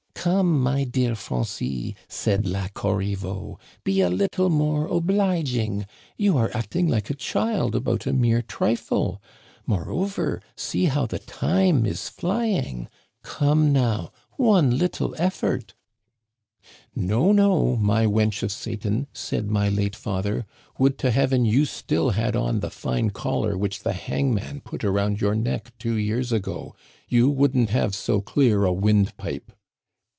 ."* Come, my dear Francis,' said La Corriveau, 'be a little more obliging. You are acting like a child about a mere trifle. Moreover, see how the time is flying. Come, now, one little effort !'No, no, my wench of Satan,' said my late father. * Would to Heaven you still had on the fine collar which the hangman put around your neck two years ago. You wouldn't have so clear a wind pipe.'